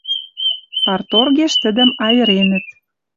Парторгеш тӹдӹм айыренӹт.